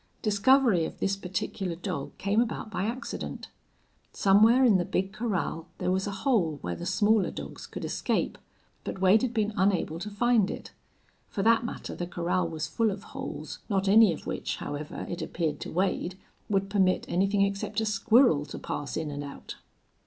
Discovery of this particular dog came about by accident. Somewhere in the big corral there was a hole where the smaller dogs could escape, but Wade had been unable to find it. For that matter the corral was full of holes, not any of which, however, it appeared to Wade, would permit anything except a squirrel to pass in and out.